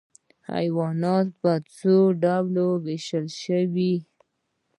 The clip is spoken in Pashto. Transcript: حیوانات په څو ډلو ویشل شوي؟